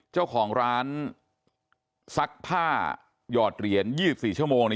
เจ้าของร้านซักผ้าหยอดเหรียญ๒๔ชั่วโมง